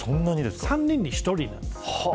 ３人に１人です。